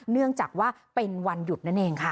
เนื่องจากว่าเป็นวันหยุดนั่นเองค่ะ